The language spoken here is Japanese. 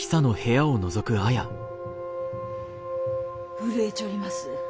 震えちょります。